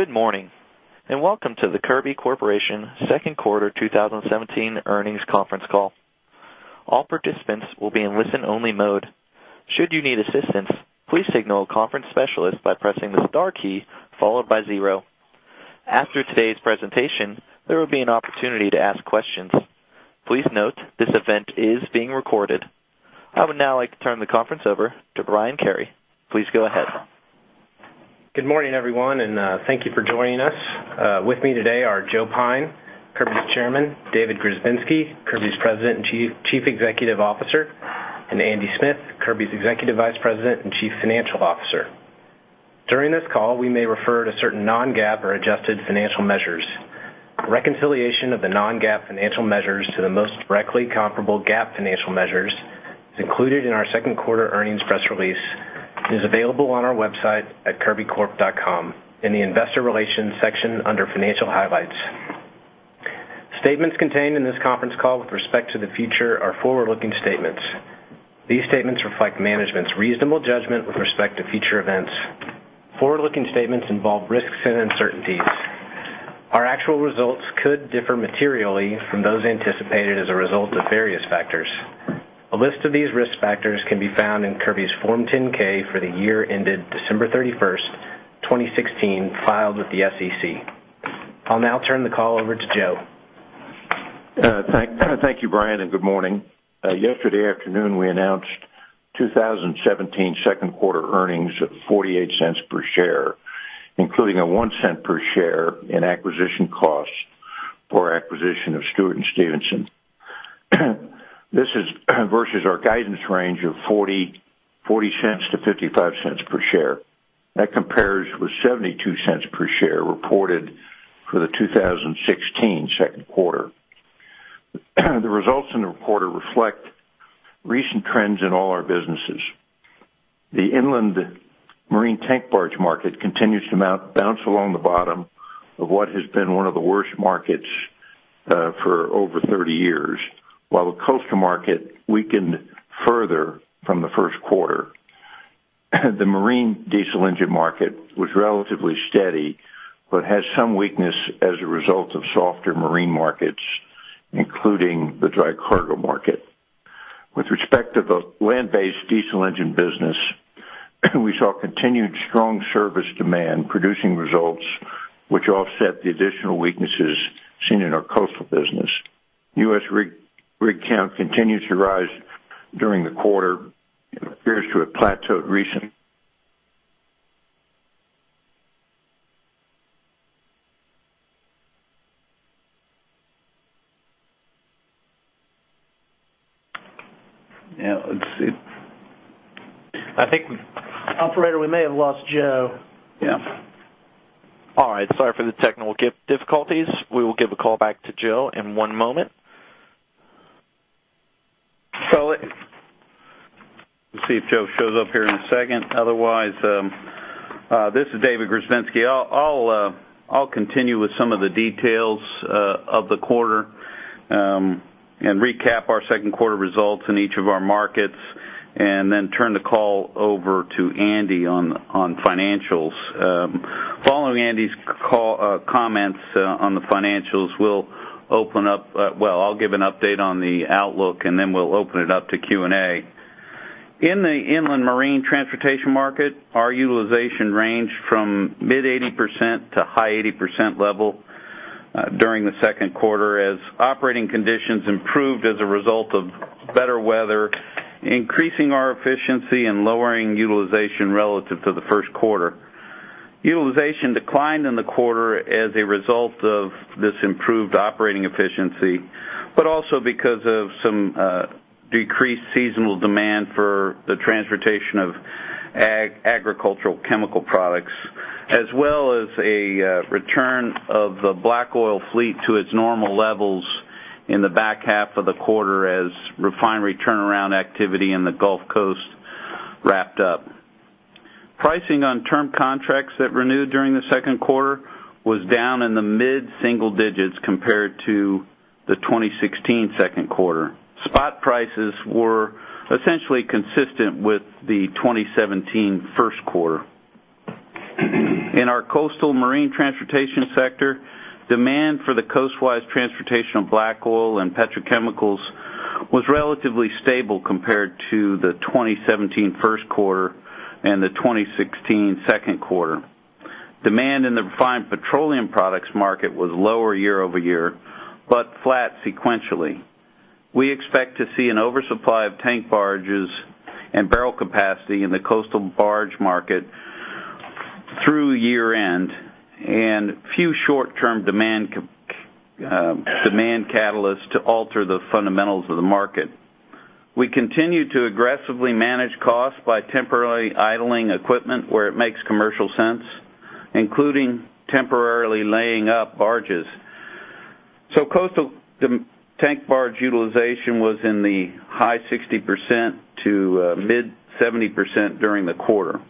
Good morning, and welcome to the Kirby Corporation Q2 2017 Earnings Conference Call. All participants will be in listen-only mode. Should you need assistance, please signal a conference specialist by pressing the star key followed by zero. After today's presentation, there will be an opportunity to ask questions. Please note, this event is being recorded. I would now like to turn the conference over to Brian Carey. Please go ahead. Good morning, everyone, and thank you for joining us. With me today are Joe Pyne, Kirby's Chairman, David Grzebinski, Kirby's President and Chief Executive Officer, and Andy Smith, Kirby's Executive Vice President and Chief Financial Officer. During this call, we may refer to certain non-GAAP or adjusted financial measures. Reconciliation of the non-GAAP financial measures to the most directly comparable GAAP financial measures is included in our Q2 earnings press release, and is available on our website at kirbycorp.com in the Investor Relations section under Financial Highlights. Statements contained in this conference call with respect to the future are forward-looking statements. These statements reflect management's reasonable judgment with respect to future events. Forward-looking statements involve risks and uncertainties. Our actual results could differ materially from those anticipated as a result of various factors. A list of these risk factors can be found in Kirby's Form 10-K for the year ended December 31, 2016, filed with the SEC. I'll now turn the call over to Joe. Thank you, Brian, and good morning. Yesterday afternoon, we announced 2017 Q2 earnings of $0.48 per share, including $0.01 per share in acquisition costs for acquisition of Stewart & Stevenson. This is versus our guidance range of $0.40-0.55 per share. That compares with $0.72 per share reported for the 2016 Q2. The results in the quarter reflect recent trends in all our businesses. The inland marine tank barge market continues to bounce along the bottom of what has been one of the worst markets for over 30 years, while the coastal market weakened further from the Q1. The marine diesel engine market was relatively steady, but has some weakness as a result of softer marine markets, including the dry cargo market. With respect to the land-based diesel engine business, we saw continued strong service demand, producing results which offset the additional weaknesses seen in our coastal business. U.S. rig count continues to rise during the quarter. It appears to have plateaued recently. I think, operator, we may have lost Joe. Yeah. All right, sorry for the technical difficulties. We will give a call back to Joe in one moment. So let- Let's see if Joe shows up here in a second. Otherwise, this is David Grzebinski. I'll continue with some of the details of the quarter and recap our Q2 results in each of our markets, and then turn the call over to Andy on financials. Following Andy's call, comments on the financials, we'll open up, well, I'll give an update on the outlook, and then we'll open it up to Q&A. In the inland marine transportation market, our utilization ranged from mid-80% to high 80% level during the Q2, as operating conditions improved as a result of better weather, increasing our efficiency and lowering utilization relative to Q1. Utilization declined in the quarter as a result of this improved operating efficiency, but also because of some decreased seasonal demand for the transportation of agricultural chemical products, as well as a return of the black oil fleet to its normal levels in the back half of the quarter, as refinery turnaround activity in the Gulf Coast wrapped up. Pricing on term contracts that renewed during the Q2 was down in the mid-single digits compared to the 2016 Q2. Spot prices were essentially consistent with the 2017 Q1. In our coastal marine transportation sector, demand for the coastwise transportation of black oil and petrochemicals was relatively stable compared to the 2017 Q1 and the 2016 Q2. Demand in the refined petroleum products market was lower year-over-year, but flat sequentially. We expect to see an oversupply of tank barges and barrel capacity in the coastal barge market through year-end, and few short-term demand catalysts to alter the fundamentals of the market. We continue to aggressively manage costs by temporarily idling equipment where it makes commercial sense, including temporarily laying up barges. Coastal tank barge utilization was in the high 60% to mid 70% during the quarter.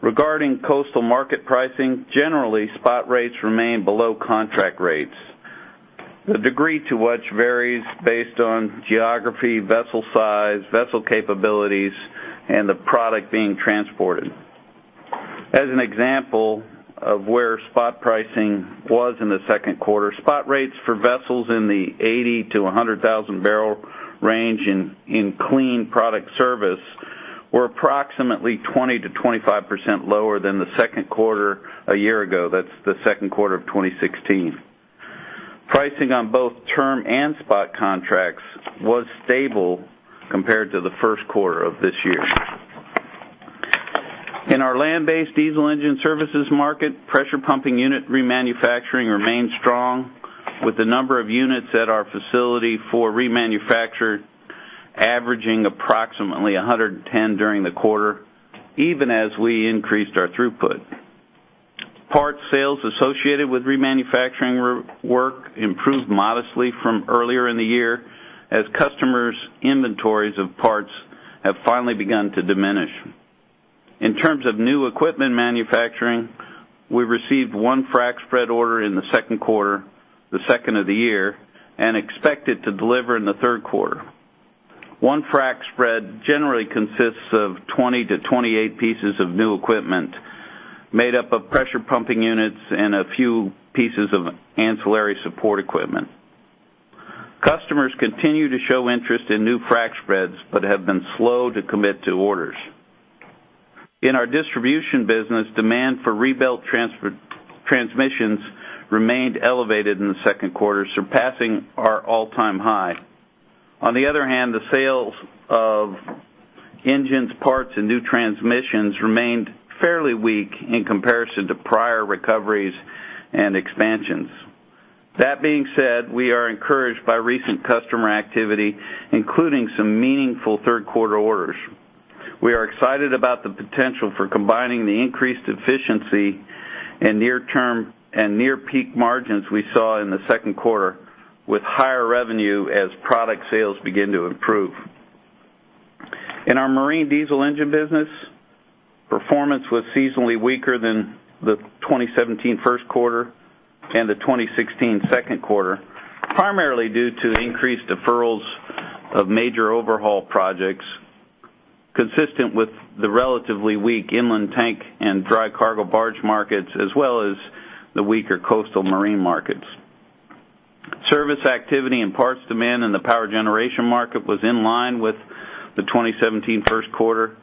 Regarding coastal market pricing, generally, spot rates remain below contract rates; the degree to which varies based on geography, vessel size, vessel capabilities, and the product being transported. As an example of where spot pricing was in Q2, spot rates for vessels in the 80,000- to 100,000-barrel range in clean product service were approximately 20%-25% lower than Q2 a year ago. That's the Q2 of 2016. Pricing on both term and spot contracts was stable compared to the Q1 of this year. In our land-based diesel engine services market, pressure pumping unit remanufacturing remained strong, with the number of units at our facility for remanufacture averaging approximately 110 during the quarter, even as we increased our throughput. Parts sales associated with remanufacturing work improved modestly from earlier in the year, as customers' inventories of parts have finally begun to diminish. In terms of new equipment manufacturing, we received 1 frac spread order in Q2, the second of the year, and expect it to deliver in Q3. One frac spread generally consists of 20 to 28 pieces of new equipment made up of pressure pumping units and a few pieces of ancillary support equipment. Customers continue to show interest in new frac spreads, but have been slow to commit to orders. In our distribution business, demand for rebuilt transfer transmissions remained elevated in Q2, surpassing our all-time high. On the other hand, the sales of engines, parts, and new transmissions remained fairly weak in comparison to prior recoveries and expansions. That being said, we are encouraged by recent customer activity, including some meaningful Q3 orders. We are excited about the potential for combining the increased efficiency and near-term and near-peak margins we saw in Q2, with higher revenue as product sales begin to improve. In our marine diesel engine business, performance was seasonally weaker than the 2017 Q1 and the 2016 Q2, primarily due to increased deferrals of major overhaul projects, consistent with the relatively weak inland tank and dry cargo barge markets, as well as the weaker coastal marine markets. Service activity and parts demand in the power generation market was in line with the 2017 Q1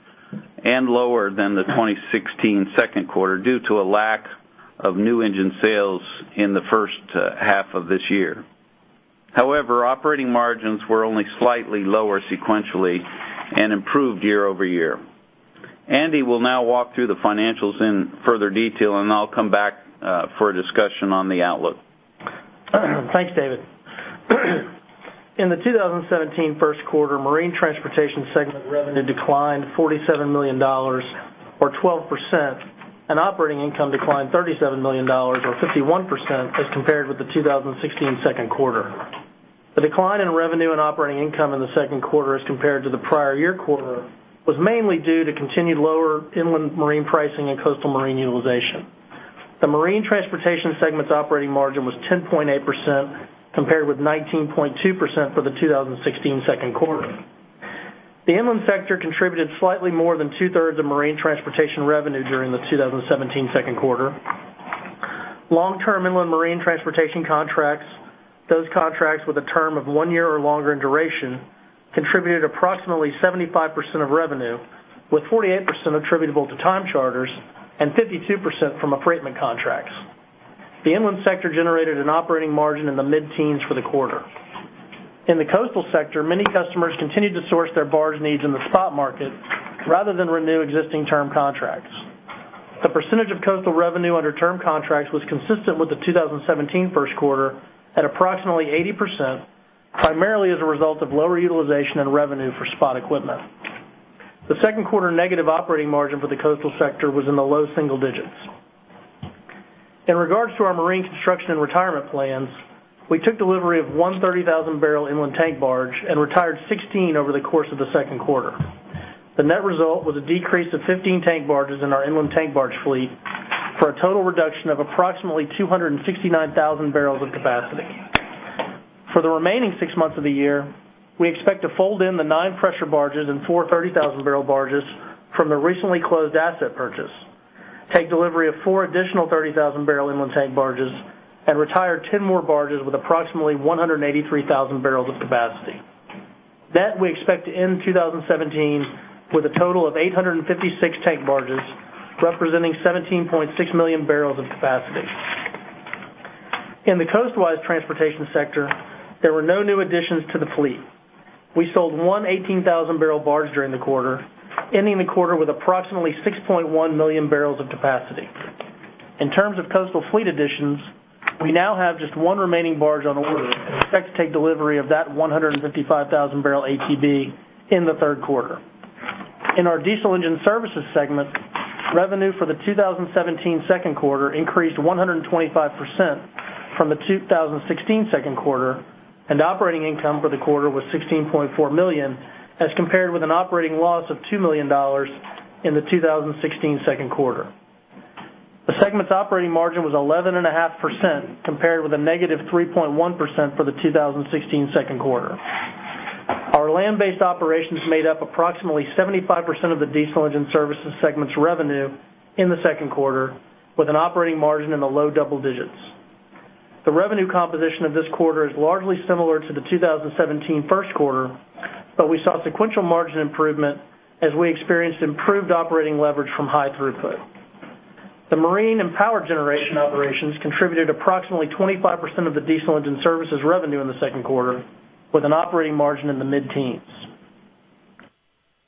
and lower than the 2016 Q2, due to a lack of new engine sales in the first half of this year. However, operating margins were only slightly lower sequentially and improved year over year. Andy will now walk through the financials in further detail, and I'll come back for a discussion on the outlook. Thanks, David. In the 2017 Q1, Marine Transportation segment revenue declined $47 million or 12%, and operating income declined $37 million or 51% as compared with the 2016 Q2. The decline in revenue and operating income in Q2 as compared to the prior year quarter was mainly due to continued lower inland marine pricing and coastal marine utilization. The Marine Transportation segment's operating margin was 10.8%, compared with 19.2% for the 2016 Q2. The inland sector contributed slightly more than two-thirds of marine transportation revenue during the 2017 Q2. Long-term inland marine transportation contracts, those contracts with a term of one year or longer in duration, contributed approximately 75% of revenue, with 48% attributable to time charters and 52% from apportionment contracts. The inland sector generated an operating margin in the mid-teens for the quarter. In the coastal sector, many customers continued to source their barge needs in the spot market rather than renew existing term contracts. The percentage of coastal revenue under term contracts was consistent with the 2017 Q1 at approximately 80%, primarily as a result of lower utilization and revenue for spot equipment. The Q2 negative operating margin for the coastal sector was in the low single digits. In regard to our marine construction and retirement plans, we took delivery of one 30,000-barrel inland tank barge and retired 16 over the course of Q2. The net result was a decrease of 15 tank barges in our inland tank barge fleet, for a total reduction of approximately 269,000 barrels of capacity. For the remaining six months of the year, we expect to fold in the nine pressure barges and four 30,000-barrel barges from the recently closed asset purchase, take delivery of four additional 30,000-barrel inland tank barges, and retire 10 more barges with approximately 183,000 barrels of capacity. That we expect to end 2017 with a total of 856 tank barges, representing 17.6 million barrels of capacity. In the coastwise transportation sector, there were no new additions to the fleet. We sold one 18,000-barrel barge during the quarter, ending the quarter with approximately 6.1 million barrels of capacity. In terms of coastal fleet additions, we now have just one remaining barge on order and expect to take delivery of that 155,000-barrel ATB in Q3. In our Diesel Engine Services segment, revenue for the 2017 Q2 increased 125% from the 2016 Q2, and operating income for the quarter was $16.4 million, as compared with an operating loss of $2 million in the 2016 Q2. The segment's operating margin was 11.5%, compared with a negative 3.1% for the 2016 Q2. Our land-based operations made up approximately 75% of the diesel engine services segment's revenue in Q2, with an operating margin in the low double digits. The revenue composition of this quarter is largely similar to the 2017 Q1, but we saw sequential margin improvement as we experienced improved operating leverage from high throughput. The marine and power generation operations contributed approximately 25% of the diesel engine services revenue in Q2, with an operating margin in the mid-teens.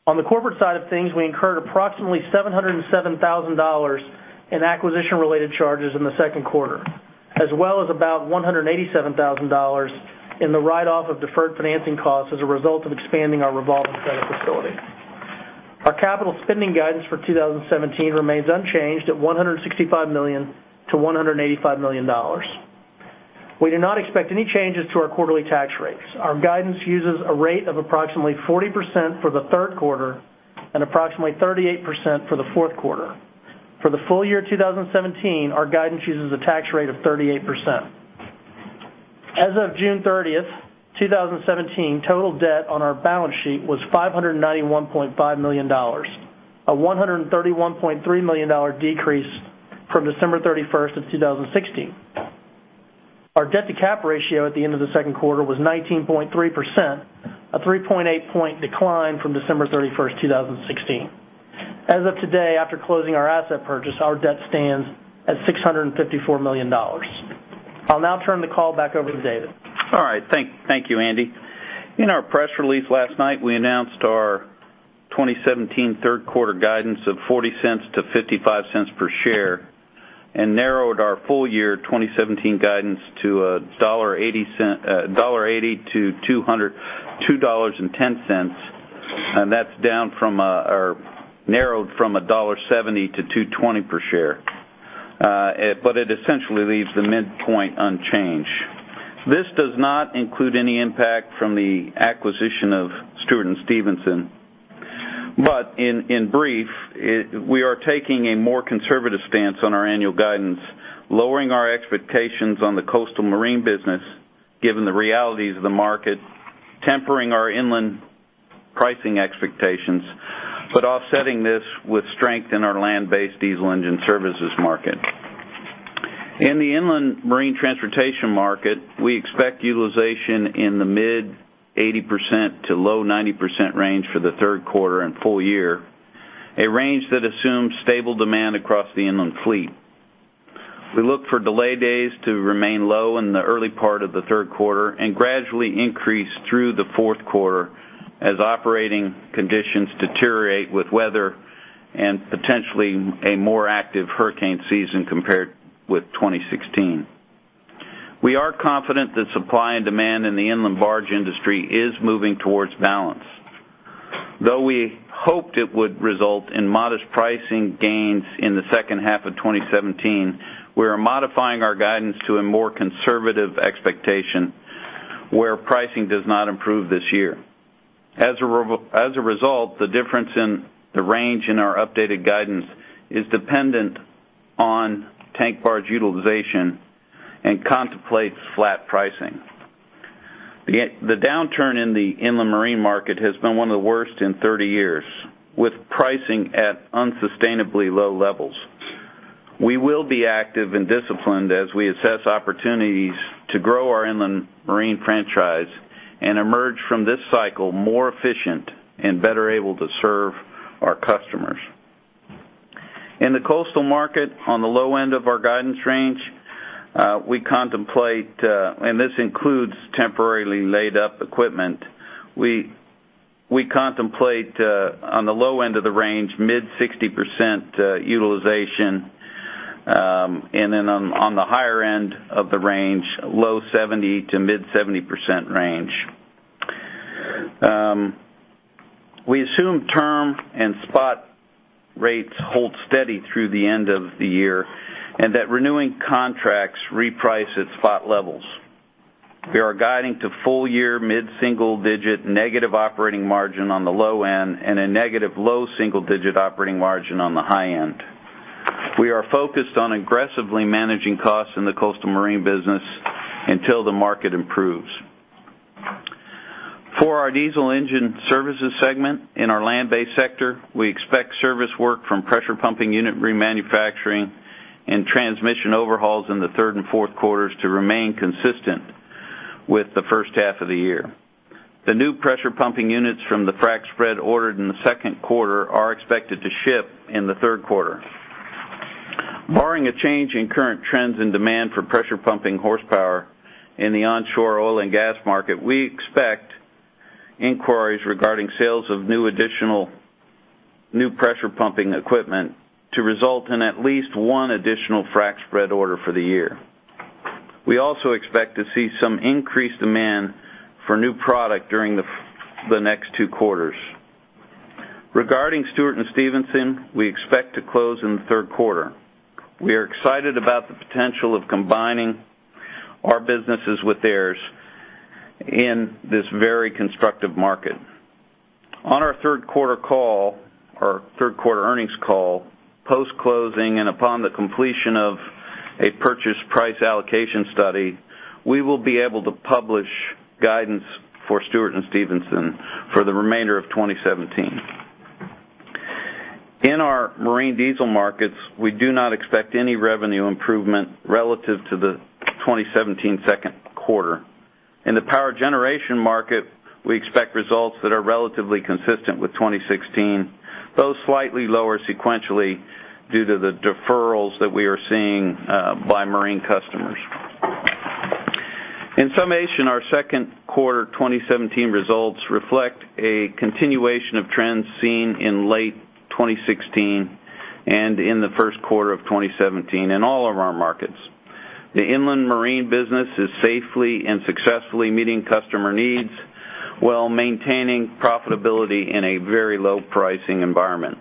On the corporate side of things, we incurred approximately $707,000 in acquisition-related charges in Q2, as well as about $187,000 in the write-off of deferred financing costs as a result of expanding our revolving credit facility. Our capital spending guidance for 2017 remains unchanged at $165 -185 million. We do not expect any changes to our quarterly tax rates. Our guidance uses a rate of approximately 40% for Q3 and approximately 38% for Q4. For the full year 2017, our guidance uses a tax rate of 38%. As of June 30, 2017, total debt on our balance sheet was $591.5 million, a $131.3 million decrease from December 31, 2016. Our debt-to-cap ratio at the end of Q2 was 19.3%, a 3.8-point decline from December 31, 2016. As of today, after closing our asset purchase, our debt stands at $654 million. I'll now turn the call back over to David. All right, thank you, Andy. In our press release last night, we announced our 2017 Q3 guidance of $0.40-0.55 per share, and narrowed our full-year 2017 guidance to $1.80-2.10, and that's down from, or narrowed from $1.70-2.20 per share, but it essentially leaves the midpoint unchanged. This does not include any impact from the acquisition of Stewart & Stevenson. But in brief, we are taking a more conservative stance on our annual guidance, lowering our expectations on the coastal marine business, given the realities of the market, tempering our inland pricing expectations, but offsetting this with strength in our land-based diesel engine services market. In the inland marine transportation market, we expect utilization in the mid-80% to low 90% range for Q3 and full year, a range that assumes stable demand across the inland fleet. We look for delay days to remain low in the early part of the Q3 and gradually increase through the Q4 as operating conditions deteriorate with weather and potentially a more active hurricane season compared with 2016. We are confident that supply and demand in the inland barge industry is moving towards balance. Though we hoped it would result in modest pricing gains in the second half of 2017, we are modifying our guidance to a more conservative expectation, where pricing does not improve this year. As a result, the difference in the range in our updated guidance is dependent on tank barge utilization and contemplates flat pricing. The downturn in the inland marine market has been one of the worst in 30 years, with pricing at unsustainably low levels. We will be active and disciplined as we assess opportunities to grow our inland marine franchise and emerge from this cycle more efficient and better able to serve our customers. In the coastal market, on the low end of our guidance range, we contemplate, and this includes temporarily laid-up equipment, on the low end of the range, mid-60% utilization, and then on the higher end of the range, low 70- to mid-70% range. We assume term and spot rates hold steady through the end of the year, and that renewing contracts reprice at spot levels. We are guiding to full-year mid-single-digit negative operating margin on the low end, and a negative low single-digit operating margin on the high end. We are focused on aggressively managing costs in the coastal marine business until the market improves. For our diesel engine services segment in our land-based sector, we expect service work from pressure pumping unit remanufacturing and transmission overhauls in the third and Q4s to remain consistent with the first half of the year. The new pressure pumping units from the frac spread ordered in Q2 are expected to ship in Q3. Barring a change in current trends and demand for pressure pumping horsepower in the onshore oil and gas market, we expect inquiries regarding sales of new pressure pumping equipment to result in at least one additional frac spread order for the year. We also expect to see some increased demand for new product during the next two quarters. Regarding Stewart & Stevenson, we expect to close in the Q3. We are excited about the potential of combining our businesses with theirs in this very constructive market. On our Q3 call, our Q3 Earnings Call, post-closing and upon the completion of a purchase price allocation study, we will be able to publish guidance for Stewart & Stevenson for the remainder of 2017. In our marine diesel markets, we do not expect any revenue improvement relative to the 2017 Q2. In the power generation market, we expect results that are relatively consistent with 2016, though slightly lower sequentially due to the deferrals that we are seeing by marine customers. In summation, our Q2 2017 results reflect a continuation of trends seen in late 2016 and in Q1 of 2017 in all of our markets. The inland marine business is safely and successfully meeting customer needs while maintaining profitability in a very low pricing environment.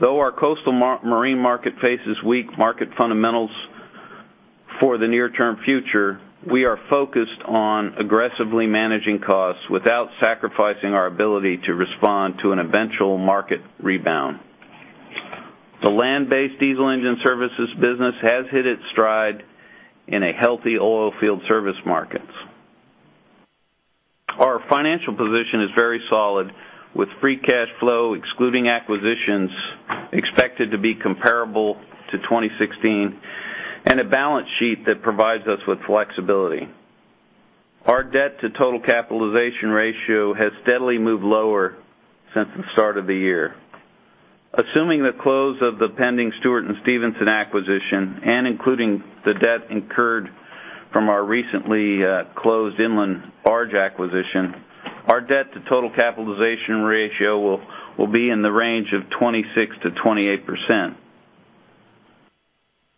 Though our coastal marine market faces weak market fundamentals for the near-term future, we are focused on aggressively managing costs without sacrificing our ability to respond to an eventual market rebound. The land-based diesel engine services business has hit its stride in a healthy oil field service markets. Our financial position is very solid, with free cash flow, excluding acquisitions, expected to be comparable to 2016, and a balance sheet that provides us with flexibility. Our debt to total capitalization ratio has steadily moved lower since the start of the year. Assuming the close of the pending Stewart & Stevenson acquisition, and including the debt incurred from our recently closed inland barge acquisition, our debt to total capitalization ratio will be in the range of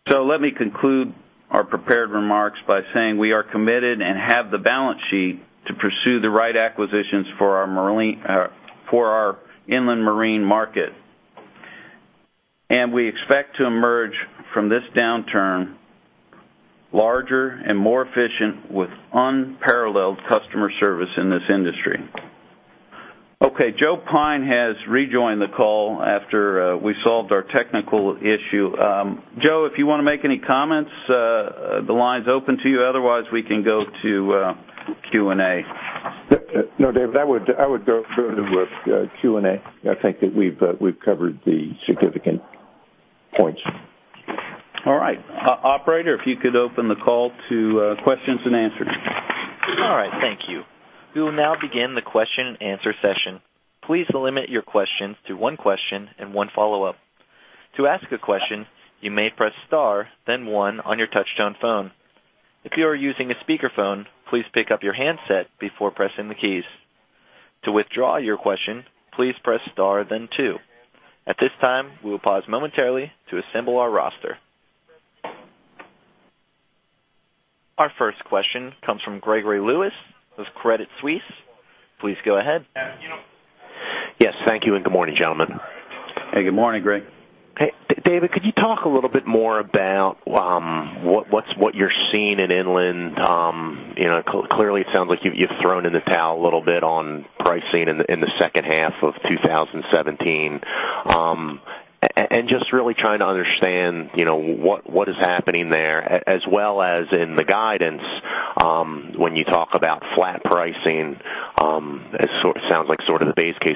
26%-28%. Let me conclude our prepared remarks by saying we are committed and have the balance sheet to pursue the right acquisitions for our marine, for our inland marine market. We expect to emerge from this downturn larger and more efficient, with unparalleled customer service in this industry. Okay, Joe Pyne has rejoined the call after we solved our technical issue. Joe, if you want to make any comments, the line's open to you. Otherwise, we can go to Q&A. No, David, I would go to Q&A. I think that we've covered the significant points. All right. Operator, if you could open the call to questions and answers. All right, thank you. We will now begin the question-and-answer session. Please limit your questions to one question and one follow-up. To ask a question, you may press star, then one on your touchtone phone. If you are using a speakerphone, please pick up your handset before pressing the keys. To withdraw your question, please press star, then two. At this time, we will pause momentarily to assemble our roster. Our first question comes from Gregory Lewis, with Credit Suisse. Please go ahead. Yes, thank you, and good morning, gentlemen. Hey, good morning, Greg. Hey, David, could you talk a little bit more about what's you're seeing in inland? You know, clearly, it sounds like you've thrown in the towel a little bit on pricing in the second half of 2017. And just really trying to understand, you know, what is happening there, as well as in the guidance, when you talk about flat pricing, it sort of sounds like the base case.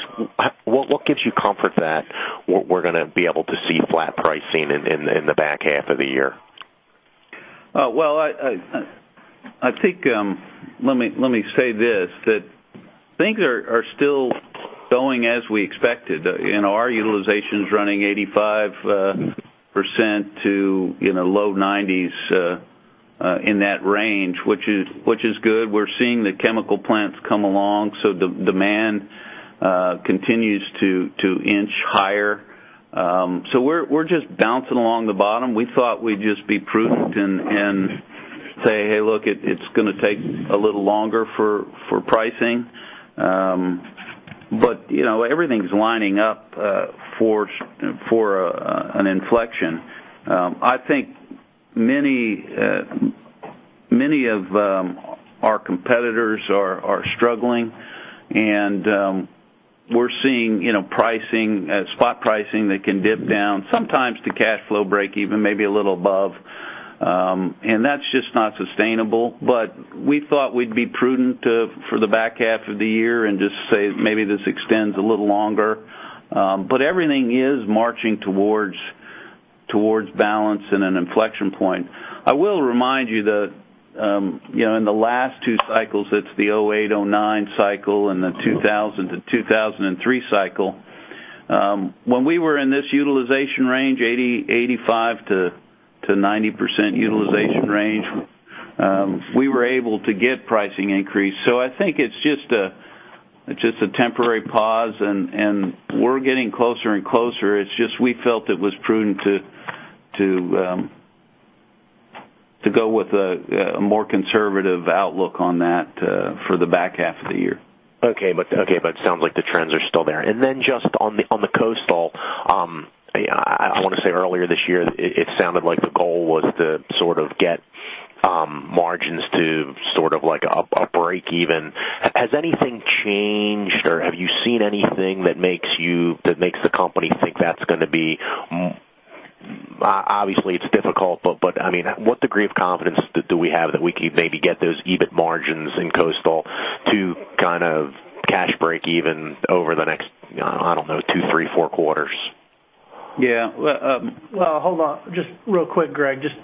What gives you comfort that we're going to be able to see flat pricing in the back half of the year? Well, I think, let me say this, that things are still going as we expected. You know, our utilization is running 85% to low 90s in that range, which is good. We're seeing the chemical plants come along, so the demand continues to inch higher. So we're just bouncing along the bottom. We thought we'd just be prudent and say, "Hey, look, it's going to take a little longer for pricing." But, you know, everything's lining up for an inflection. I think many of our competitors are struggling, and we're seeing, you know, pricing, spot pricing that can dip down sometimes to cash flow breakeven, maybe a little above, and that's just not sustainable. But we thought we'd be prudent to, for the back half of the year and just say, maybe this extends a little longer. But everything is marching towards, towards balance and an inflection point. I will remind you that, you know, in the last two cycles, it's the 2008, 2009 cycle and the 2000 to 2003 cycle, when we were in this utilization range, 80%, 85% to 90% utilization range, we were able to get pricing increase. So I think it's just a, just a temporary pause, and, and we're getting closer and closer. It's just we felt it was prudent to, to go with a, a more conservative outlook on that, for the back half of the year. Okay, but it sounds like the trends are still there. And then just on the coastal, I want to say earlier this year, it sounded like the goal was to sort of get margins to sort of like a breakeven. Has anything changed, or have you seen anything that makes the company think that's gonna be, obviously, it's difficult, but I mean, what degree of confidence do we have that we can maybe get those EBIT margins in coastal to kind of cash breakeven over the next, I don't know, two, three, four quarters? Yeah. Well, Well, hold on. Just real quick, Greg, just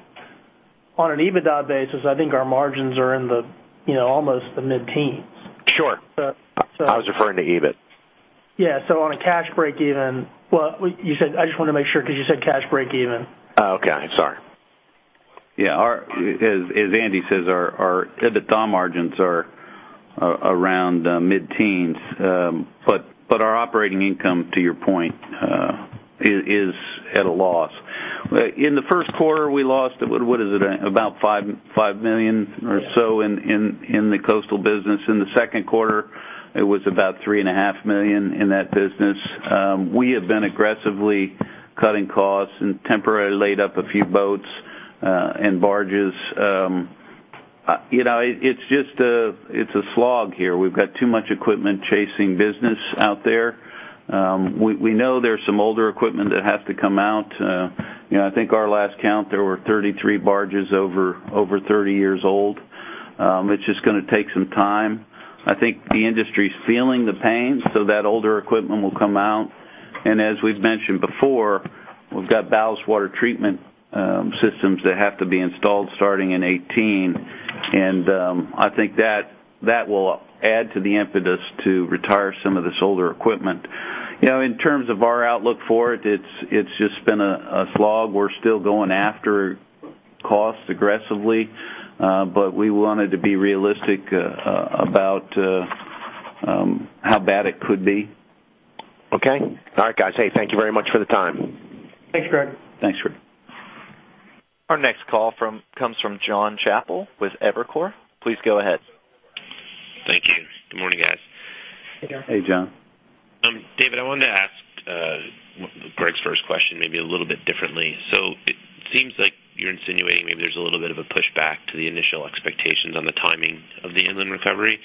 on an EBITDA basis, I think our margins are in the, you know, almost the mid-teens. Sure. But, so- I was referring to EBIT. Yeah, so on a cash breakeven... Well, you said, I just wanted to make sure, because you said cash breakeven. Oh, okay. Sorry. Yeah. As Andy says, our EBITDA margins are around mid-teens. But our operating income, to your point, is at a loss. In the Q1, we lost, what is it? About $5 million or so in the coastal business. In Q2, it was about $3.5 million in that business. We have been aggressively cutting costs and temporarily laid up a few boats and barges. You know, it's just a slog here. We've got too much equipment chasing business out there. We know there's some older equipment that has to come out. You know, I think our last count, there were 33 barges over 30 years old. It's just gonna take some time. I think the industry's feeling the pain, so that older equipment will come out. And as we've mentioned before, we've got ballast water treatment systems that have to be installed starting in 2018, and I think that will add to the impetus to retire some of this older equipment. You know, in terms of our outlook for it, it's just been a slog. We're still going after costs aggressively, but we wanted to be realistic about how bad it could be. Okay. All right, guys. Hey, thank you very much for the time. Thanks, Greg. Thanks, Greg. Our next call comes from Jon Chappell with Evercore. Please go ahead. Thank you. Good morning, guys. Hey, Jon. Hey, Jon. David, I wanted to ask Greg's first question maybe a little bit differently. So it seems like you're insinuating maybe there's a little bit of a pushback to the initial expectations on the timing of the inland recovery.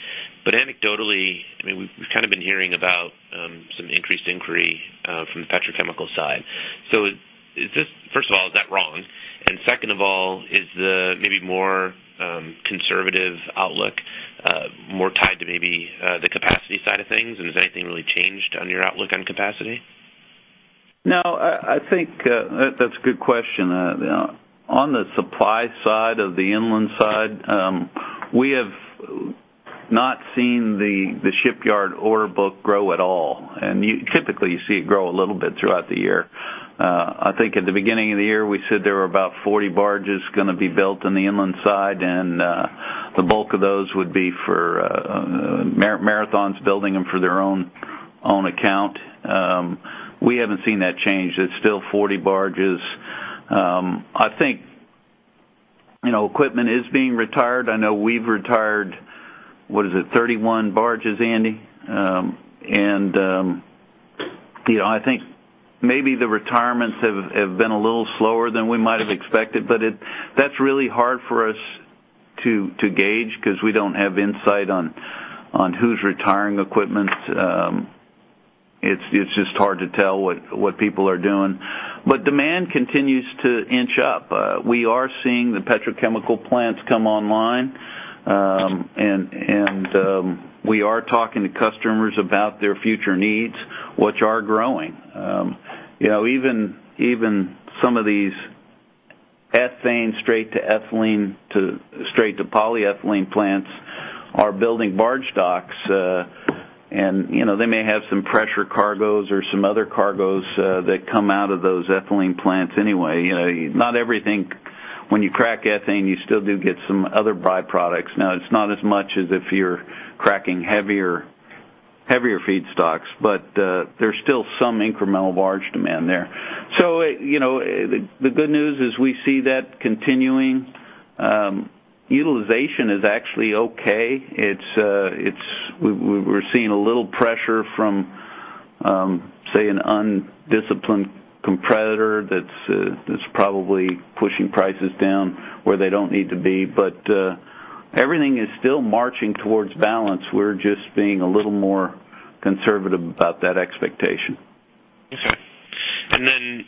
But anecdotally, I mean, we've kind of been hearing about some increased inquiry from the petrochemical side. So is this - first of all, is that wrong? And second of all, is the maybe more conservative outlook more tied to maybe the capacity side of things, and has anything really changed on your outlook on capacity? No, I think that's a good question. On the supply side, of the inland side, we have not seen the shipyard order book grow at all, and typically, you see it grow a little bit throughout the year. I think at the beginning of the year, we said there were about 40 barges gonna be built on the inland side, and the bulk of those would be for Marathon's building them for their own account. We haven't seen that change. It's still 40 barges. I think, you know, equipment is being retired. I know we've retired, what is it, 31 barges, Andy? And, you know, I think maybe the retirements have been a little slower than we might have expected, but it, that's really hard for us to gauge because we don't have insight on who's retiring equipment. It's just hard to tell what people are doing. But demand continues to inch up. We are seeing the petrochemical plants come online, and we are talking to customers about their future needs, which are growing. You know, even some of these ethane straight to ethylene to straight to polyethylene plants are building barge docks, and, you know, they may have some pressure cargos or some other cargos that come out of those ethylene plants anyway. You know, not everything, when you crack ethane, you still do get some other byproducts. Now, it's not as much as if you're cracking heavier, heavier feedstocks, but there's still some incremental barge demand there. So, you know, the good news is we see that continuing. Utilization is actually okay. It's we, we're seeing a little pressure from, say, an undisciplined competitor that's probably pushing prices down where they don't need to be. But everything is still marching towards balance. We're just being a little more conservative about that expectation. Okay. And then,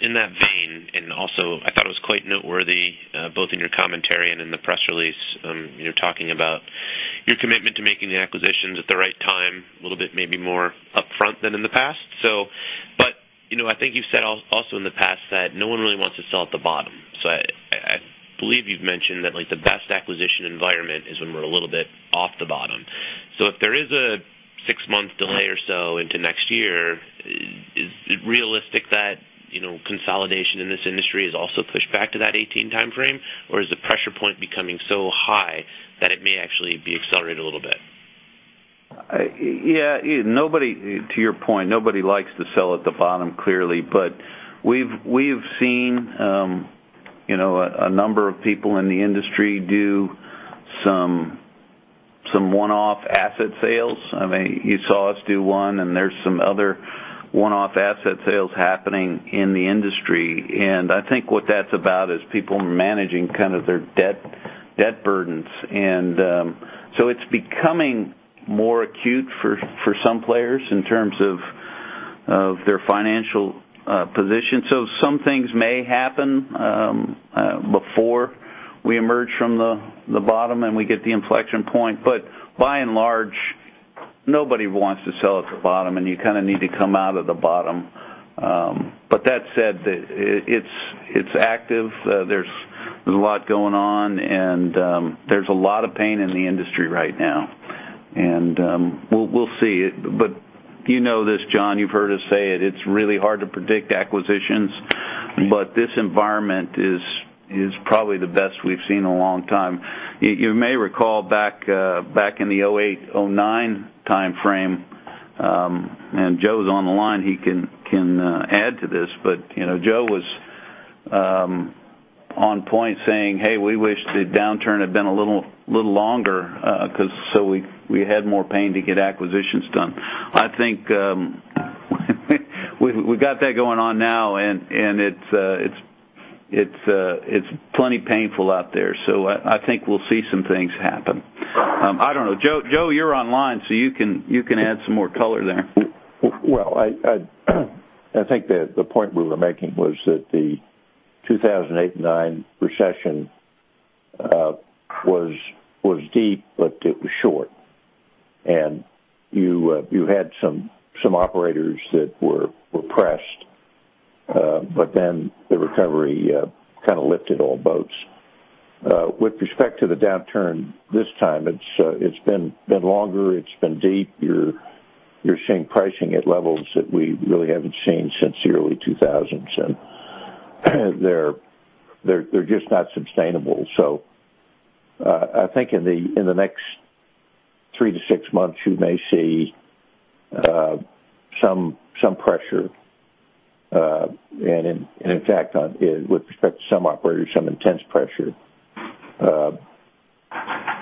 in that vein, and also, I thought it was quite noteworthy, both in your commentary and in the press release, you're talking about your commitment to making the acquisitions at the right time, a little bit, maybe more upfront than in the past. So, but, you know, I think you've said also in the past that no one really wants to sell at the bottom. So I believe you've mentioned that, like, the best acquisition environment is when we're a little bit off the bottom. So if there is a six-month delay or so into next year, is it realistic that, you know, consolidation in this industry is also pushed back to that 2018 timeframe? Or is the pressure point becoming so high that it may actually be accelerated a little bit? Yeah, nobody, to your point, nobody likes to sell at the bottom, clearly, but we've seen, you know, a number of people in the industry do some one-off asset sales. I mean, you saw us do one, and there's some other one-off asset sales happening in the industry. And I think what that's about is people managing kind of their debt burdens. So it's becoming more acute for some players in terms of their financial position. So some things may happen before we emerge from the bottom, and we get the inflection point. But by and large, nobody wants to sell at the bottom, and you kind of need to come out of the bottom. But that said, it's active. There's a lot going on, and there's a lot of pain in the industry right now. We'll see. But you know this, John, you've heard us say it: It's really hard to predict acquisitions, but this environment is probably the best we've seen in a long time. You may recall back in the 2008, 2009 time frame, and Joe's on the line, he can add to this, but you know, Joe was on point saying, "Hey, we wish the downturn had been a little longer, 'cause so we had more pain to get acquisitions done." I think we've got that going on now, and it's plenty painful out there, so I think we'll see some things happen. I don't know. Joe, Joe, you're online, so you can, you can add some more color there. Well, I think the point we were making was that the 2008 and 2009 recession was deep, but it was short. And you had some operators that were pressed, but then the recovery kind of lifted all boats. With respect to the downturn this time, it's been longer. It's been deep. You're seeing pricing at levels that we really haven't seen since the early 2000s, and they're just not sustainable. So, I think in the next three to six months, you may see some pressure, and in fact, with respect to some operators, some intense pressure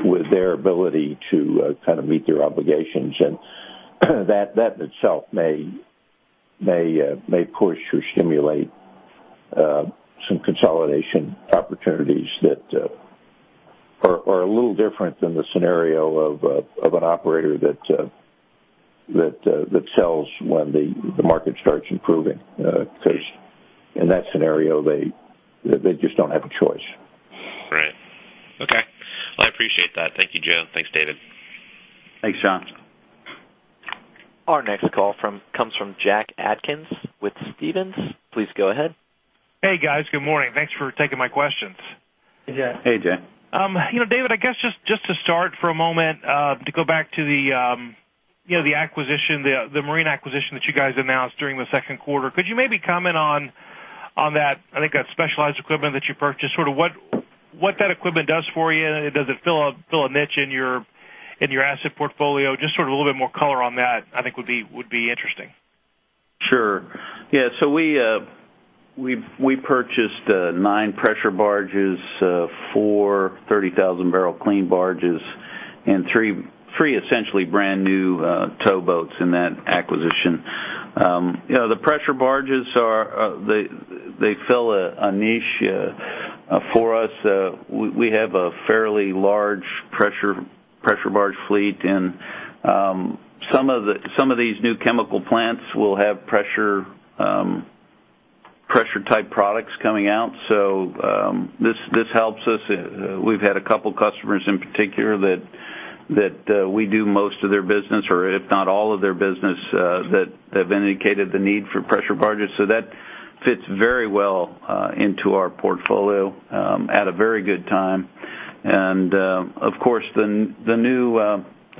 with their ability to kind of meet their obligations. That in itself may push or stimulate some consolidation opportunities that are a little different than the scenario of an operator that sells when the market starts improving. 'Cause in that scenario, they just don't have a choice. Right. Okay. I appreciate that. Thank you, Joe. Thanks, David. Thanks, John. Our next call comes from Jack Atkins with Stephens. Please go ahead. Hey, guys. Good morning. Thanks for taking my questions. Hey, Jack. Hey, Jack. You know, David, I guess just, just to start for a moment, to go back to the, you know, the acquisition, the, the marine acquisition that you guys announced during the Q2. Could you maybe comment on, on that, I think that specialized equipment that you purchased, sort of what, what that equipment does for you? Does it fill a, fill a niche in your, in your asset portfolio? Just sort of a little bit more color on that, I think, would be, would be interesting. Sure. Yeah, so we purchased nine pressure barges, four 30,000-barrel clean barges, and three essentially brand-new towboats in that acquisition. You know, the pressure barges are, they fill a niche for us. We have a fairly large pressure barge fleet, and some of these new chemical plants will have pressure-type products coming out, so this helps us. We've had a couple customers in particular that we do most of their business or if not all of their business that have indicated the need for pressure barges. So that fits very well into our portfolio at a very good time. And, of course, the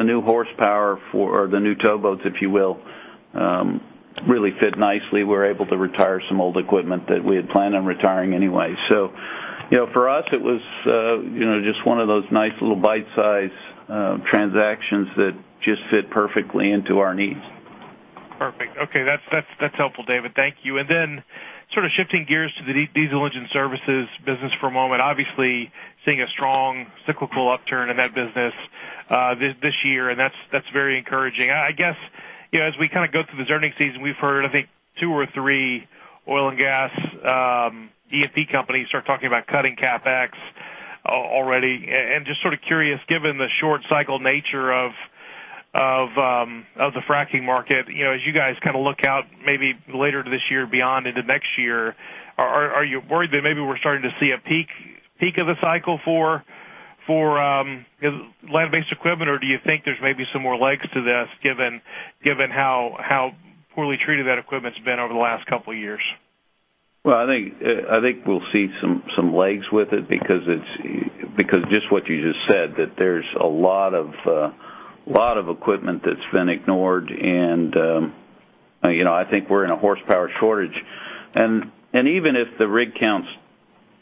new horsepower for... or the new towboats, if you will, really fit nicely. We're able to retire some old equipment that we had planned on retiring anyway. So, you know, for us, it was, you know, just one of those nice little bite-size transactions that just fit perfectly into our needs. Perfect. Okay, that's, that's, that's helpful, David. Thank you. And then sort of shifting gears to the diesel engine services business for a moment. Obviously, seeing a strong cyclical upturn in that business, this year, and that's very encouraging. I guess, you know, as we kind of go through this earnings season, we've heard, I think, two or three oil and gas E&P companies start talking about cutting CapEx already. And just sort of curious, given the short cycle nature of the fracking market, you know, as you guys kind of look out maybe later this year beyond into next year, are you worried that maybe we're starting to see a peak of the cycle for land-based equipment? Or do you think there's maybe some more legs to this, given how poorly treated that equipment's been over the last couple years? Well, I think we'll see some legs with it because just what you just said, that there's a lot of equipment that's been ignored and, you know, I think we're in a horsepower shortage. And even if the rig counts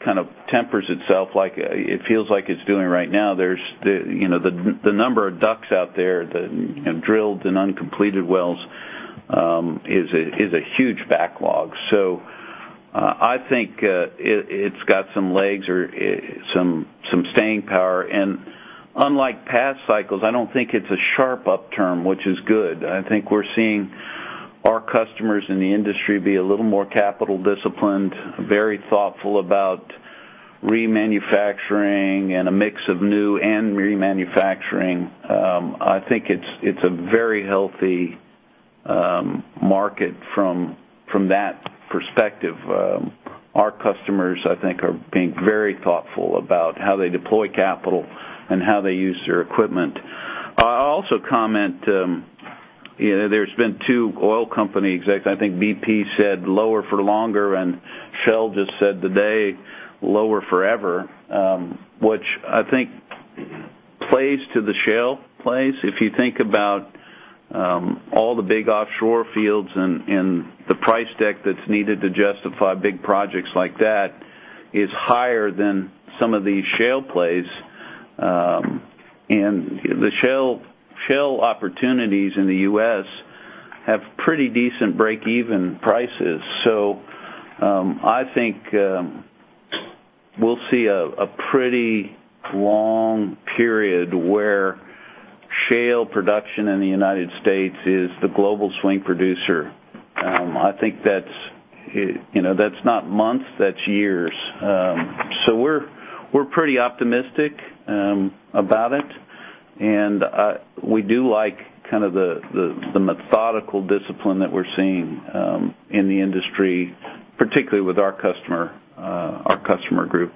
kind of tempers itself, like it feels like it's doing right now, there's the, you know, the number of DUCs out there, the drilled and uncompleted wells, is a huge backlog. So, I think it's got some legs or some staying power. And unlike past cycles, I don't think it's a sharp upturn, which is good. I think we're seeing our customers in the industry be a little more capital disciplined, very thoughtful about remanufacturing and a mix of new and remanufacturing. I think it's a very healthy market from that perspective. Our customers, I think, are being very thoughtful about how they deploy capital and how they use their equipment. I'll also comment, you know, there's been two oil company execs. I think BP said, "Lower for longer," and Shell just said today, "Lower forever," which I think plays to the shale plays. If you think about all the big offshore fields and the price deck that's needed to justify big projects like that is higher than some of these shale plays. And the shale opportunities in the US have pretty decent break-even prices. So, I think we'll see a pretty long period where shale production in the United States is the global swing producer. I think that's, you know, that's not months, that's years. So we're pretty optimistic about it, and we do like kind of the methodical discipline that we're seeing in the industry, particularly with our customer group.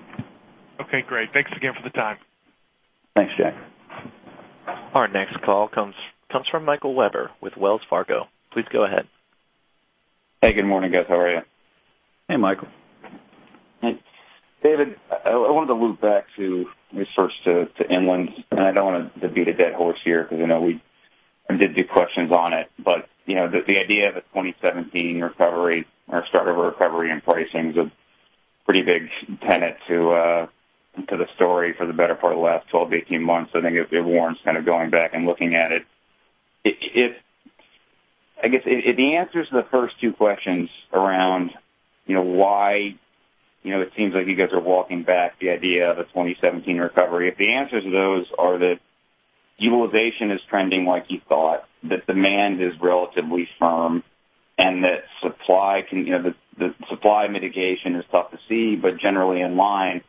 Okay, great. Thanks again for the time. Thanks, Jack. Our next call comes from Michael Webber with Wells Fargo. Please go ahead. Hey, good morning, guys. How are you? Hey, Michael. David, I wanted to LOOP back to research to inlands, and I don't want to beat a dead horse here because I know we did do questions on it. But, you know, the idea of a 2017 recovery or start of a recovery in pricing is a pretty big tenet to the story for the better part of the last 12 to 18 months. I think it warrants kind of going back and looking at it. If I guess, if the answers to the first two questions around, you know, why, you know, it seems like you guys are walking back the idea of a 2017 recovery. If the answers to those are that utilization is trending like you thought, that demand is relatively firm, and that supply can, you know, the supply mitigation is tough to see, but generally in line,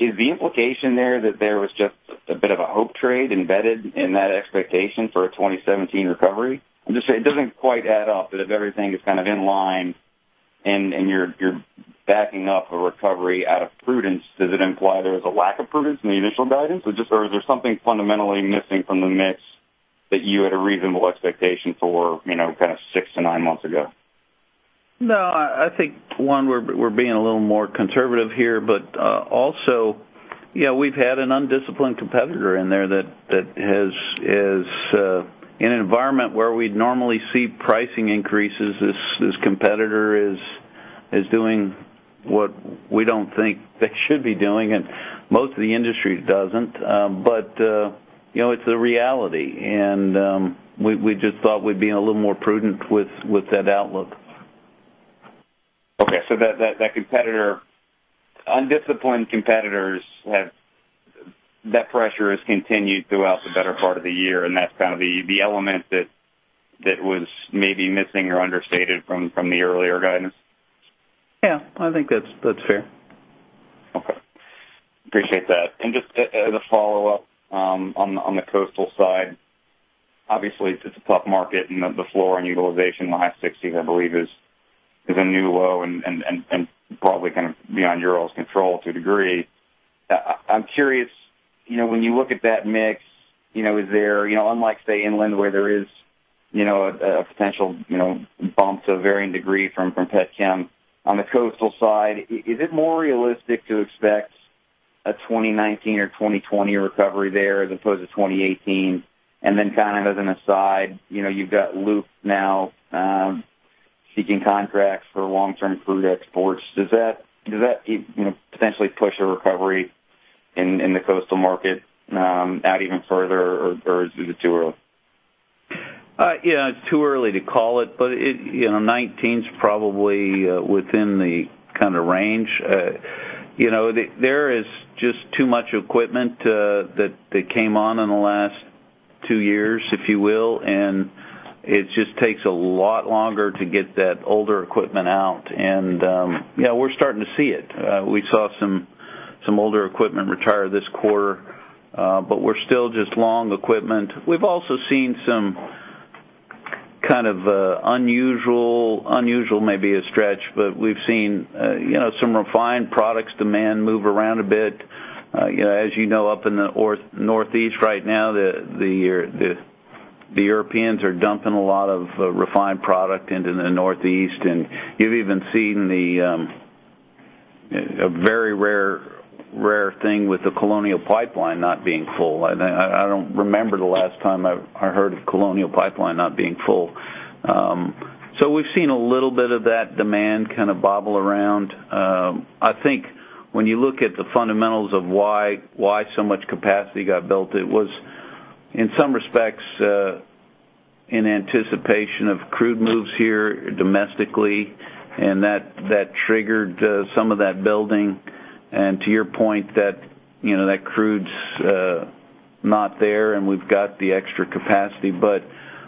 is the implication there that there was just a bit of a hope trade embedded in that expectation for a 2017 recovery? I'm just saying it doesn't quite add up, that if everything is kind of in line and you're backing up a recovery out of prudence, does it imply there was a lack of prudence in the initial guidance? Or just, or is there something fundamentally missing from the mix that you had a reasonable expectation for, you know, kind of six to nine months ago? No, I think we're being a little more conservative here, but also, you know, we've had an undisciplined competitor in there that is in an environment where we'd normally see pricing increases. This competitor is doing what we don't think they should be doing, and most of the industry doesn't. But you know, it's a reality, and we just thought we'd be a little more prudent with that outlook. Okay, so that undisciplined competitors have that pressure has continued throughout the better part of the year, and that's kind of the element that was maybe missing or understated from the earlier guidance? Yeah, I think that's, that's fair. Okay. Appreciate that. And just as a follow-up on the coastal side, obviously, it's a tough market, and the floor on utilization in the high 60s, I believe, is a new low and probably kind of beyond your all's control to a degree. I'm curious, you know, when you look at that mix, you know, is there, you know, unlike, say, inland, where there is, you know, a potential bump to a varying degree from petchem. On the coastal side, is it more realistic to expect a 2019 or 2020 recovery there as opposed to 2018? And then kind of as an aside, you know, you've got Loop now seeking contracts for long-term crude exports. Does that, does that, you know, potentially push a recovery in, in the coastal market, out even further, or, or is it too early? Yeah, it's too early to call it, but it, you know, nineteen's probably within the kind of range. You know, there is just too much equipment that that came on in the last two years, if you will, and it just takes a lot longer to get that older equipment out. And, yeah, we're starting to see it. We saw some some older equipment retire this quarter, but we're still just long equipment. We've also seen some kind of unusual, unusual may be a stretch, but we've seen, you know, some refined products demand move around a bit. You know, as you know, up in the Northeast right now, the Europeans are dumping a lot of refined product into the Northeast, and you've even seen a very rare, rare thing with the Colonial Pipeline not being full. I don't remember the last time I've heard of Colonial Pipeline not being full. So we've seen a little bit of that demand kind of wobble around. I think when you look at the fundamentals of why so much capacity got built, it was, in some respects, in anticipation of crude moves here domestically, and that triggered some of that building. And to your point that, you know, that crude's not there, and we've got the extra capacity. But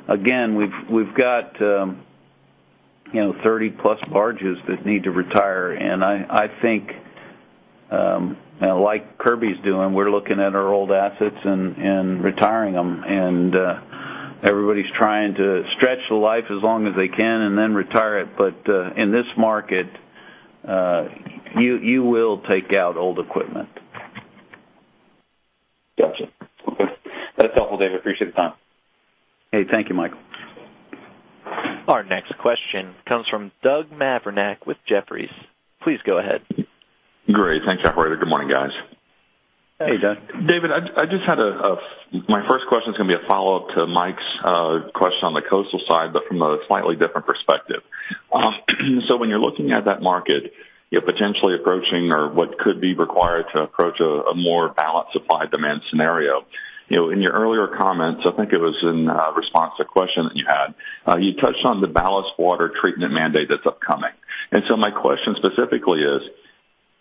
again, we've got, you know, 30-plus barges that need to retire, and I think, like Kirby's doing, we're looking at our old assets and retiring them. And everybody's trying to stretch the life as long as they can, and then retire it. But in this market, you will take out old equipment. Gotcha. Okay. That's helpful, David. Appreciate the time. Hey, thank you, Michael. Our next question comes from Doug Mavrinac with Jefferies. Please go ahead. Great. Thanks, operator. Good morning, guys. Hey, Doug. David, my first question is gonna be a follow-up to Mike's question on the coastal side, but from a slightly different perspective. So when you're looking at that market, you're potentially approaching or what could be required to approach a more balanced supply-demand scenario. You know, in your earlier comments, I think it was in response to a question that you had, you touched on the ballast water treatment mandate that's upcoming. And so my question specifically is: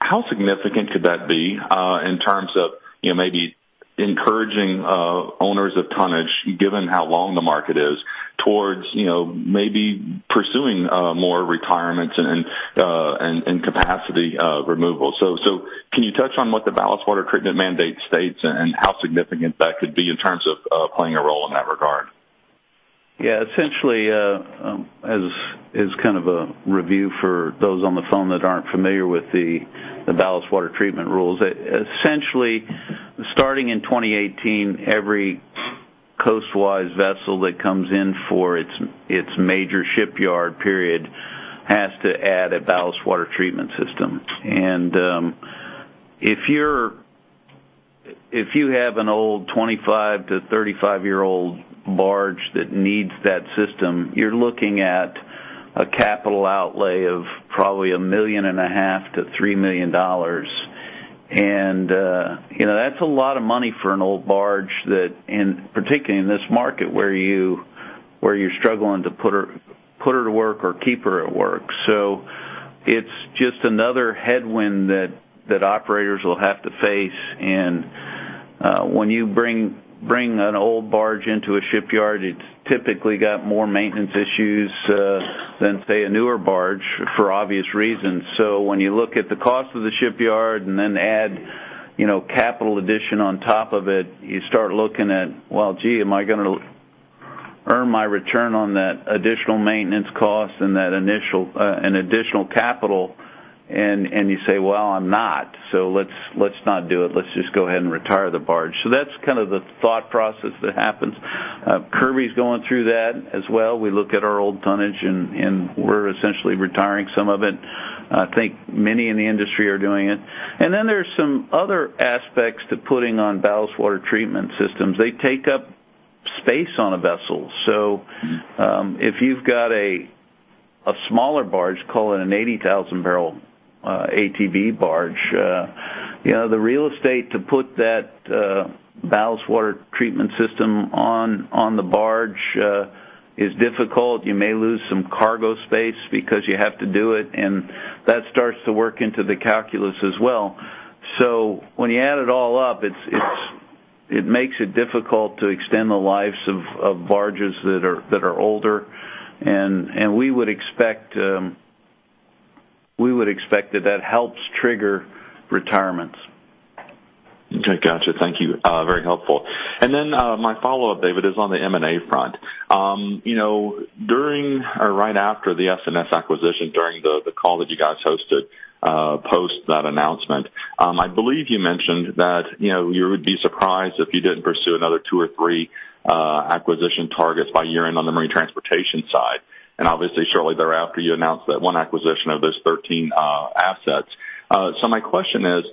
how significant could that be, in terms of, you know, maybe encouraging owners of tonnage, given how long the market is, towards, you know, maybe pursuing more retirements and capacity removal? So, can you touch on what the Ballast Water Treatment mandate states and how significant that could be in terms of playing a role in that regard? Yeah, essentially, as kind of a review for those on the phone that aren't familiar with the ballast water treatment rules. Essentially, starting in 2018, every coast-wise vessel that comes in for its major shipyard period has to add a ballast water treatment system. If you have an old 25- to 35-year-old barge that needs that system, you're looking at a capital outlay of probably $1.5 -3 million. You know, that's a lot of money for an old barge that, and particularly in this market, where you're struggling to put her to work or keep her at work. So it's just another headwind that operators will have to face. When you bring an old barge into a shipyard, it's typically got more maintenance issues than, say, a newer barge, for obvious reasons. So when you look at the cost of the shipyard and then add, you know, capital addition on top of it, you start looking at, well, gee, am I gonna earn my return on that additional maintenance cost and that initial, and additional capital? And you say, "Well, I'm not, so let's not do it. Let's just go ahead and retire the barge." So that's kind of the thought process that happens. Kirby's going through that as well. We look at our old tonnage, and we're essentially retiring some of it. I think many in the industry are doing it. And then there are some other aspects to putting on ballast water treatment systems. They take up space on a vessel. So, if you've got a smaller barge, call it an 80,000-barrel ATB barge, you know, the real estate to put that ballast water treatment system on the barge is difficult. You may lose some cargo space because you have to do it, and that starts to work into the calculus as well. So when you add it all up, it makes it difficult to extend the lives of barges that are older. And we would expect that that helps trigger retirements. Okay, gotcha. Thank you. Very helpful. And then, my follow-up, David, is on the M&A front. You know, during or right after the S&S acquisition, during the call that you guys hosted, post that announcement, I believe you mentioned that, you know, you would be surprised if you didn't pursue another two or three acquisition targets by year-end on the marine transportation side. And obviously, shortly thereafter, you announced that one acquisition of those 13 assets. So my question is,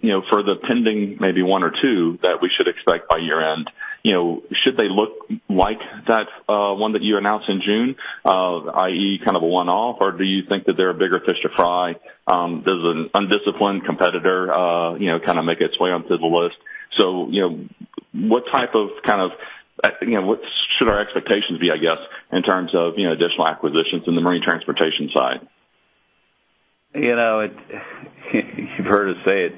you know, for the pending, maybe one or two that we should expect by year-end, you know, should they look like that one that you announced in June, i.e., kind of a one-off, or do you think that there are bigger fish to fry? Does an undisciplined competitor, you know, kind of make its way onto the list? So, you know, what type of, kind of, you know, what should our expectations be, I guess, in terms of, you know, additional acquisitions in the marine transportation side? You know, it—you've heard us say it.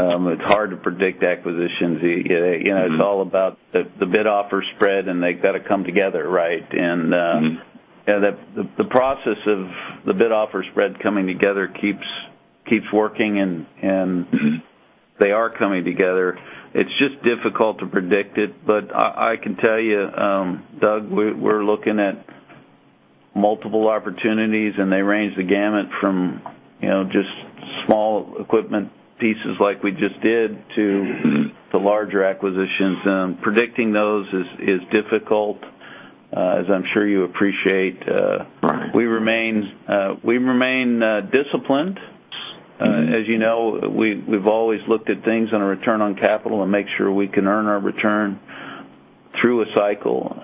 It's hard to predict acquisitions. You know, it's all about the bid-offer spread, and they've got to come together, right? Mm-hmm. Yeah, the process of the bid-offer spread coming together keeps working, and they are coming together. It's just difficult to predict it. But I can tell you, Doug, we're looking at multiple opportunities, and they range the gamut from, you know, just small equipment pieces like we just did, to the larger acquisitions. Predicting those is difficult, as I'm sure you appreciate. We remain disciplined. Mm-hmm. As you know, we, we've always looked at things on a return on capital and make sure we can earn our return through a cycle.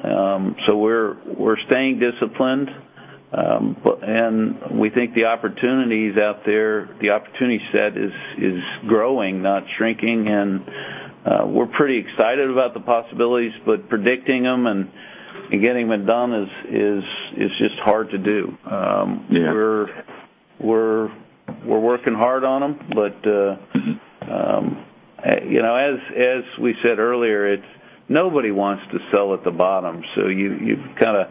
So we're, we're staying disciplined, but and we think the opportunities out there, the opportunity set is, is growing, not shrinking, and, we're pretty excited about the possibilities. But predicting them and, and getting them done is, is, is just hard to do. Yeah. We're working hard on them, but, you know, as we said earlier, it's nobody wants to sell at the bottom, so you've kind of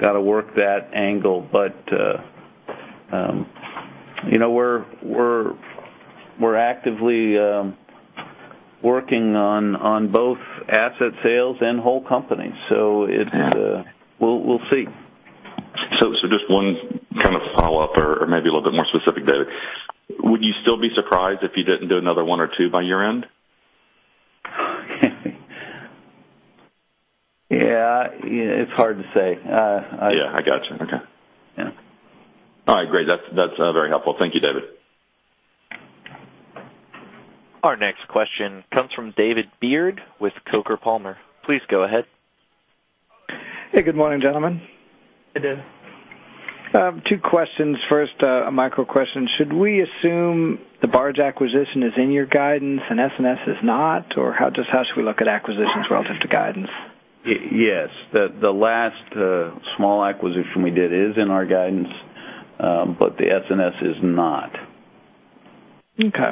got to work that angle. But, you know, we're actively working on both asset sales and whole companies. So it's Yeah. We'll see. So, so just one kind of follow-up or, or maybe a little bit more specific data. Would you still be surprised if you didn't do another one or two by year-end? Yeah, it's hard to say. Yeah, I got you. Okay. Yeah. All right, great. That's very helpful. Thank you, David. Our next question comes from David Beard with Coker & Palmer. Please go ahead. Hey, good morning, gentlemen. Hey, David. Two questions. First, a micro question: Should we assume the barge acquisition is in your guidance and S&S is not? Or how should we look at acquisitions relative to guidance? Yes. The last small acquisition we did is in our guidance, but the S&S is not. Okay.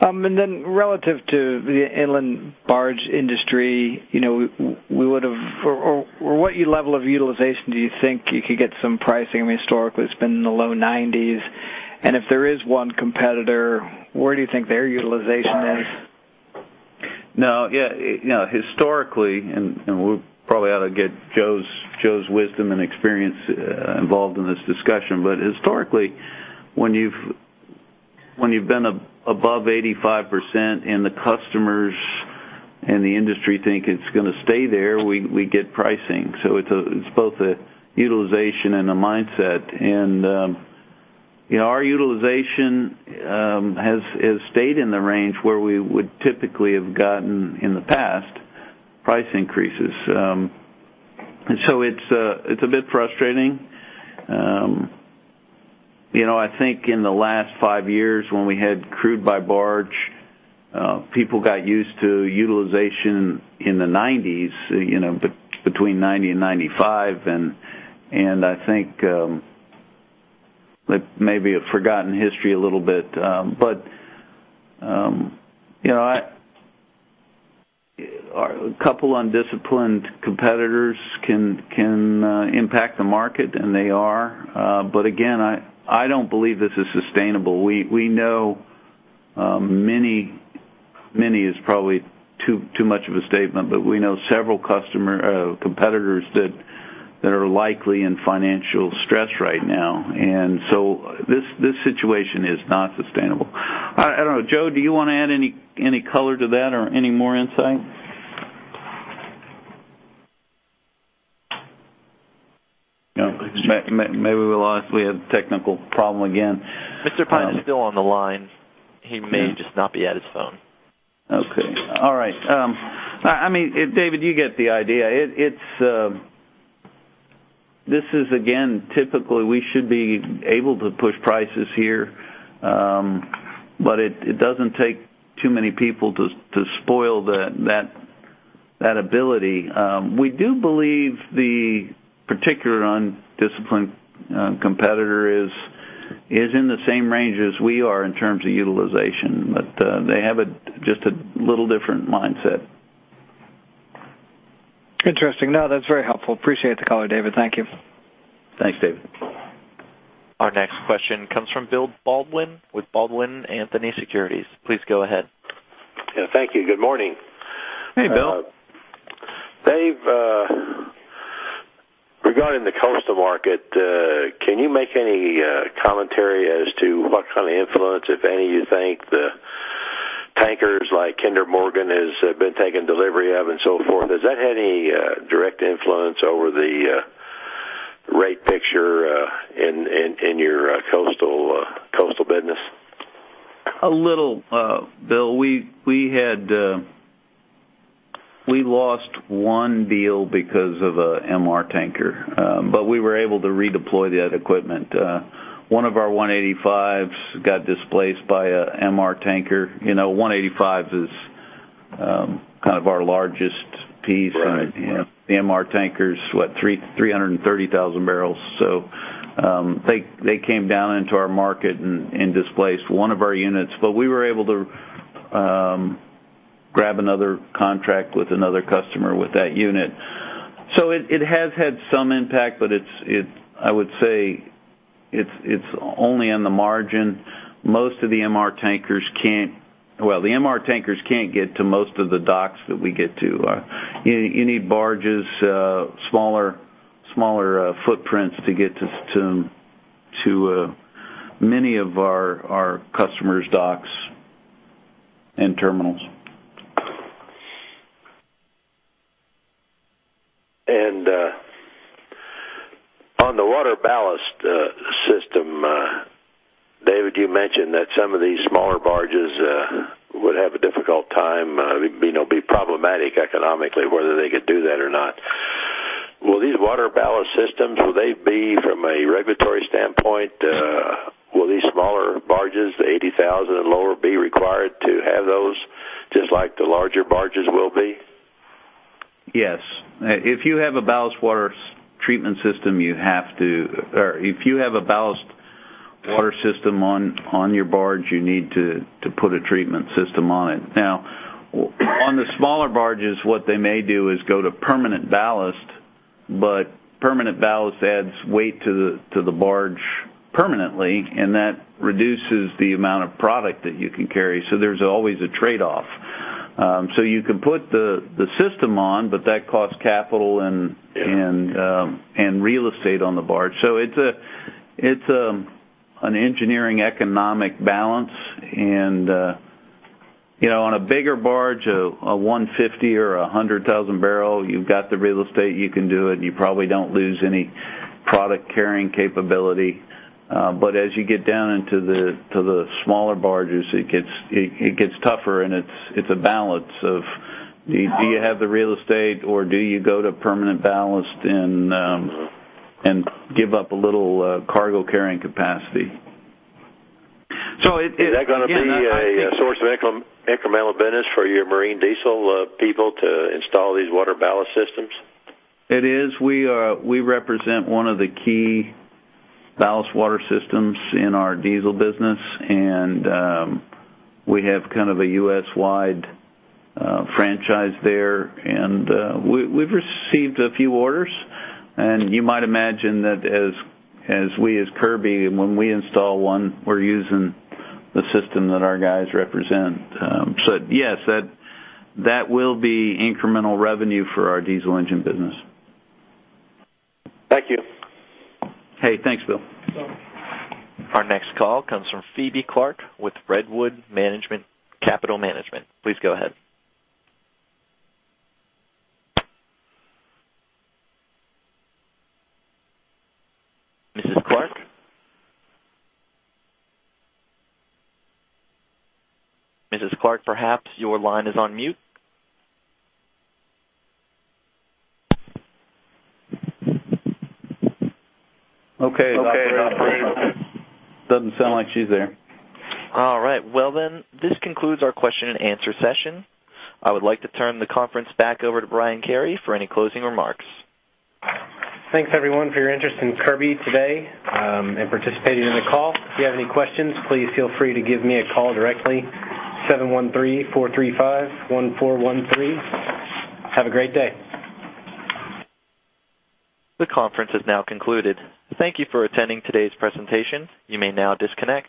And then relative to the inland barge industry, you know, we would have... or what level of utilization do you think you could get some pricing? Historically, it's been in the low 90s, and if there is one competitor, where do you think their utilization is? No. Yeah, you know, historically, and we probably ought to get Joe's wisdom and experience involved in this discussion. But historically, when you've been above 85% and the customers and the industry think it's going to stay there, we get pricing. So it's both a utilization and a mindset. And, you know, our utilization has stayed in the range where we would typically have gotten, in the past, price increases. You know, I think in the last five years, when we had crude by barge, people got used to utilization in the 90s, you know, between 90 and 95. And I think maybe it forgotten history a little bit. But, you know, a couple undisciplined competitors can impact the market, and they are. But again, I don't believe this is sustainable. We know many, many is probably too much of a statement, but we know several customer competitors that are likely in financial stress right now, and so this situation is not sustainable. I don't know. Joe, do you want to add any color to that or any more insight? No, maybe we lost, we had a technical problem again. Mr. Pyne is still on the line. He may just not be at his phone. Okay. All right. I mean, David, you get the idea. It's... This is again, typically, we should be able to push prices here, but it doesn't take too many people to spoil that ability. We do believe the particular undisciplined competitor is in the same range as we are in terms of utilization, but they have just a little different mindset. Interesting. No, that's very helpful. Appreciate the call, David. Thank you. Thanks, David. Our next question comes from William Baldwin with Baldwin Anthony Securities. Please go ahead. Yeah, thank you. Good morning. Hey, Bill. Dave, regarding the coastal market, can you make any commentary as to what kind of influence, if any, you think the tankers, like Kinder Morgan, has been taking delivery of and so forth? Has that had any direct influence over the rate picture in your coastal business? A little, Bill. We lost one deal because of a MR tanker, but we were able to redeploy that equipment. One of our 185s got displaced by a MR tanker. You know, 185s is kind of our largest piece. Right. You know, the MR tankers is what? 330,000 barrels. So, they, they came down into our market and, and displaced one of our units, but we were able to, grab another contract with another customer with that unit. So it, it has had some impact, but it's, it I would say it's, it's only on the margin. Most of the MR Tankers can't. Well, the MR Tankers can't get to most of the docks that we get to. You, you need barges, smaller, smaller, footprints to get to, to, to, many of our, our customers' docks and terminals. On the ballast water system, David, you mentioned that some of these smaller barges have a difficult time, you know, be problematic economically, whether they could do that or not. Will these ballast water systems, will they be from a regulatory standpoint, will these smaller barges, the 80,000 and lower, be required to have those, just like the larger barges will be? Yes. If you have a ballast water treatment system, you have to or if you have a ballast water system on your barge, you need to put a treatment system on it. Now, on the smaller barges, what they may do is go to permanent ballast, but permanent ballast adds weight to the barge permanently, and that reduces the amount of product that you can carry. So there's always a trade-off. So you can put the system on, but that costs capital and real estate on the barge. So it's an engineering economic balance. And you know, on a bigger barge, a 150 or a 100,000 barrel, you've got the real estate, you can do it, and you probably don't lose any product-carrying capability. But as you get down into the smaller barges, it gets tougher, and it's a balance of do you have the real estate, or do you go to permanent ballast and give up a little cargo-carrying capacity? So is that gonna be a source of incremental business for your marine diesel people to install these ballast water systems? It is. We, we represent one of the key ballast water systems in our diesel business, and, we have kind of a U.S.-wide franchise there. And, we've received a few orders. And you might imagine that as, as we, as Kirby, when we install one, we're using the system that our guys represent. So yes, that, that will be incremental revenue for our diesel engine business. Thank you. Hey, thanks, Bill. Our next call comes from Phoebe Clark with Redwood Capital Management. Please go ahead. Mrs. Clark? Mrs. Clark, perhaps your line is on mute. Okay, okay. Doesn't sound like she's there. All right. Well, then, this concludes our question-and-answer session. I would like to turn the conference back over to Brian Carey for any closing remarks. Thanks, everyone, for your interest in Kirby today, and participating in the call. If you have any questions, please feel free to give me a call directly, 713-435-1413. Have a great day. The conference is now concluded. Thank you for attending today's presentation. You may now disconnect.